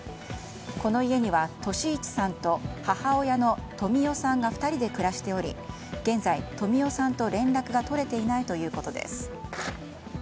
この家には敏一さんと母親の、とみよさんが２人で暮らしており現在、とみよさんと連絡が取れていないということです。